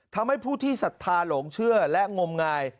ทำให้ผู้ที่ศรัทธาหลงเชื่อและงมงาย